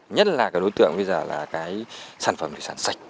nhất là đối tượng bây giờ là sản phẩm sạch